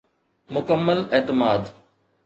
مڪمل اعتماد.